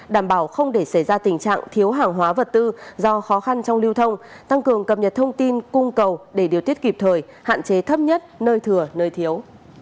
đảm bảo không để xảy ra tình trạng thiếu hàng hóa vật tư do khó khăn trong lưu thông tăng cường cập nhật thông tin cung cầu để điều tiết kịp thời hạn chế thấp nhất nơi thừa nơi thiếu